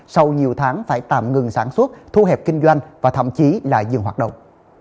sau nhiều tháng phải tạm ngừng sản xuất thu hẹp kinh doanh và thậm chí là dừng hoạt động